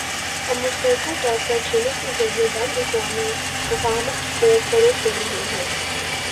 ہم مشترکہ طور پر کھیلوں کے ذریعے بین الاقوامی مفاہمت کو فروغ دے رہے ہیں